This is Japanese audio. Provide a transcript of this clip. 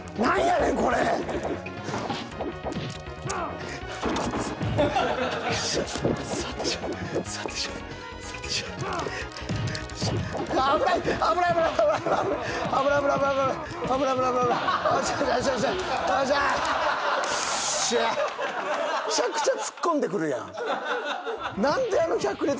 めちゃくちゃ突っ込んでくるやん。